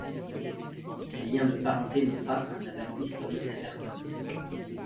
Ces liens de parenté n'ont pas un aval historique certain.